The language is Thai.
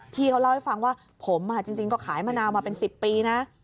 พี่เขาเล่าให้ฟังว่าผมจริงก็ขายมะนาวมาเป็น๑๐ปีนะ